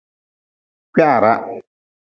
Kwiarah.